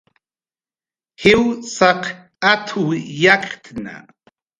"Jwsaq at""w yakktna"